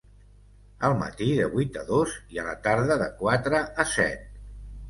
Al matí, de vuit a dos, i a la tarda, de quatre a set.